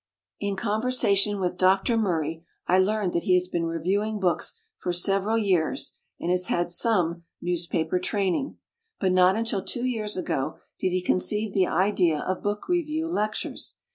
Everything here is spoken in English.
In conversation with Dr. Murray I learned that he has been reviewing books for several years and has had some newspaper training. But not until two years ago did he conceive the idea of book review lectures.